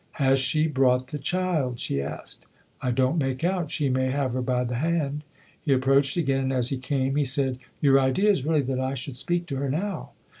" Has she brought the child ?" she asked. " I don't make out she may have her by the hand." He approached again, and as he came he said :" Your idea is really that 1 should speak to her now